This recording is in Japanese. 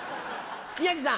宮治さん。